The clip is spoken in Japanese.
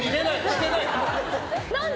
してない。